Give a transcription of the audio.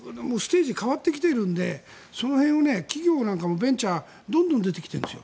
ステージが変わってきているのでその辺を企業もベンチャーはどんどん出てきてますよ。